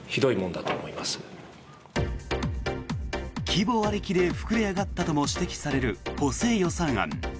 規模ありきで膨れ上がったとも指摘される補正予算案。